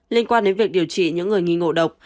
liên quan đến việc điều trị những người nghi ngộ độc